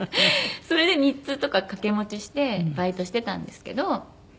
それで３つとか掛け持ちしてバイトしていたんですけど。